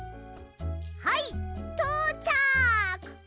はいとうちゃく！